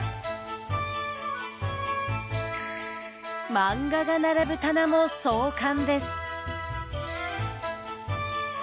漫画が並ぶ棚も壮観です。